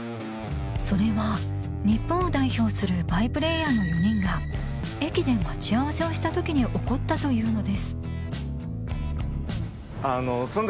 それは日本を代表するバイプレーヤーの４人が駅で待ち合わせをした時に起こったというのですその時